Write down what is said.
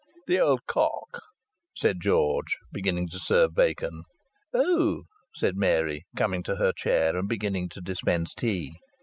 "The old cock," said George, beginning to serve bacon. "Oh!" said Mary, coming to her chair, and beginning to dispense tea.